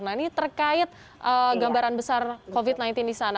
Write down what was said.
nah ini terkait gambaran besar covid sembilan belas di sana